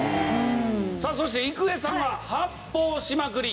さあそして郁恵さんが発砲しまくり。